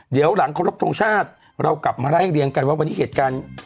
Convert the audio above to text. เดี๋ยวหลังครบทรงชาติเรากลับมาไล่เรียงกันว่าวันนี้เหตุการณ์